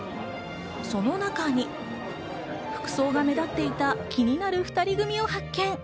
その中に服装が目立っていた気になる２人組を発見。